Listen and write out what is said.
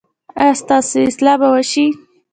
ایا ستاسو اصلاح به وشي؟